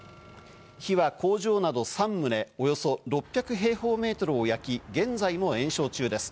火は工場など３棟、およそ６００平方メートルを焼き、現在も延焼中です。